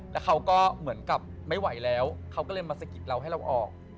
แล้วเขาก็เหมือนกับไม่ไหวแล้วเขาก็เลยมาสะกิดเราให้เราออก